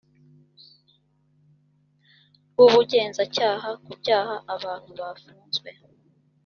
bw ubugenzacyaha ku byaha abantu bafunzwe